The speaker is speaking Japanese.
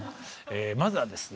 まずはですね